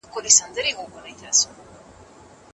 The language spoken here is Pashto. تاسې ولې پرون غونډې ته نه وئ راغلي؟